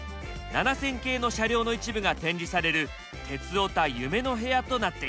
７０００系の車両の一部が展示される鉄オタ夢の部屋となっています。